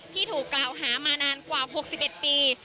ที่ถูกกล่าวหามานานกว่า๖๑ปี